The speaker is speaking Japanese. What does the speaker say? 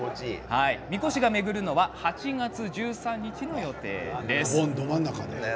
みこしが巡るのは８月１３日の予定です。